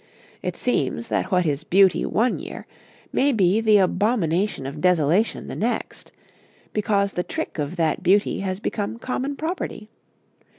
It seems that what is beauty one year may be the abomination of desolation the next, because the trick of that beauty has become common property.